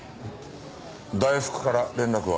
大福から連絡は？